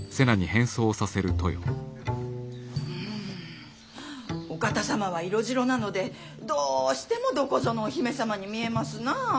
うんお方様は色白なのでどうしてもどこぞのお姫様に見えますなあ。